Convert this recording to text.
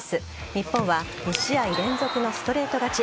日本は２試合連続のストレート勝ち。